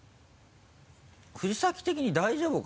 藤崎的に大丈夫か？